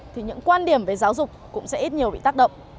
thì những quan điểm về giáo dục cũng sẽ ít nhiều bị tác động